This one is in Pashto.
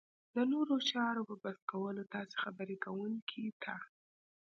د نورو چارو په بس کولو تاسې خبرې کوونکي ته